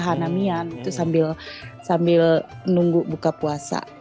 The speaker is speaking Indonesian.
hanamian itu sambil nunggu buka puasa